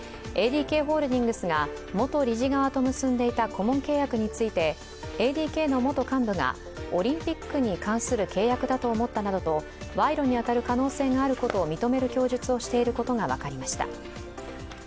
ＡＤＫホールディングスが元理事側と結んでいた顧問契約についてＡＤＫの元幹部がオリンピックに関する契約だと思ったなどと賄賂に当たる可能性があることを認める供述をしていることが分かりました。